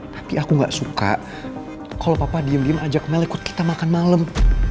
tapi aku gak suka kalau papa diam diem ajak mell ikut kita makan malam